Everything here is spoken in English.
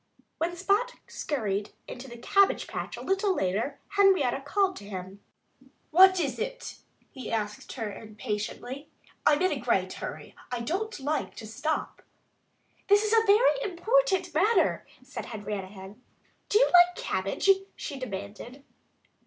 When Spot scurried into the cabbage patch a little later Henrietta Hen called to him. "What is it?" he asked her impatiently. "I'm in a great hurry. I don't like to stop." "This is a very important matter," said Henrietta Hen. "Do you like cabbage?" she demanded.